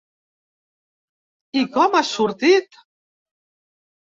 I com has sortit?